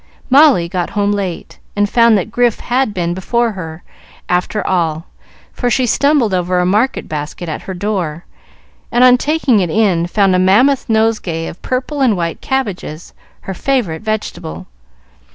Molly got home late, and found that Grif had been before her, after all; for she stumbled over a market basket at her door, and on taking it in found a mammoth nosegay of purple and white cabbages, her favorite vegetable.